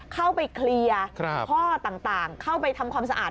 เข้าไปเคลียร์ข้อต่างเข้าไปทำความสะอาด